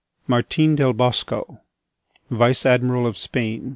MARTIN DEL BOSCO, vice admiral of Spain.